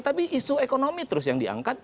tapi isu ekonomi terus yang diangkat